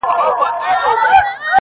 • نه په زړه رازونه پخواني لري,